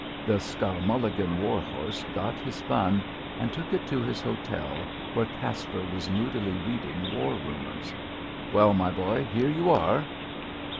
The Skowmulligan war horse got his bun and took it to his hotel where Caspar was moodily reading war rumours. "Well, my boy, here you are."